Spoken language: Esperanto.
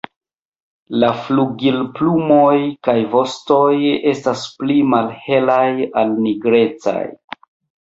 La flugilplumoj kaj vostoj estas pli malhelaj al nigrecaj.